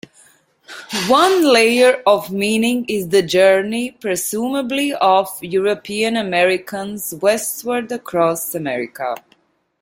One layer of meaning is the journey, presumably of European-Americans, westward across America.